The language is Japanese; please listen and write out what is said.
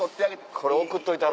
これ送っといたろ。